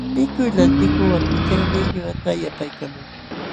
Mikuy lantikuq walmikaqmi ñuqata yapaykaman.